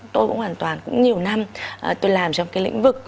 tôi cũng hoàn toàn cũng nhiều năm tôi làm trong cái lĩnh vực